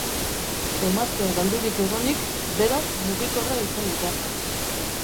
Emaztea galdurik egonik, berak mugikorra itzalita.